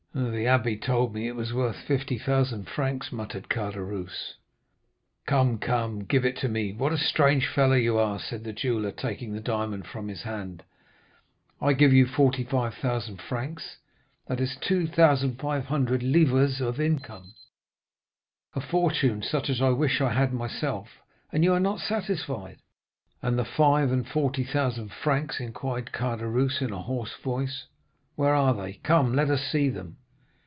"'The abbé told me it was worth 50,000 francs,' muttered Caderousse. "'Come, come—give it to me! What a strange fellow you are,' said the jeweller, taking the diamond from his hand. 'I give you 45,000 francs—that is, 2,500 livres of income,—a fortune such as I wish I had myself, and you are not satisfied!' "'And the five and forty thousand francs,' inquired Caderousse in a hoarse voice, 'where are they? Come—let us see them.